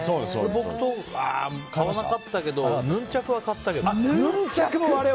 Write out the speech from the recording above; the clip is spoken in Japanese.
木刀、買わなかったけどヌンチャクは買ったけど。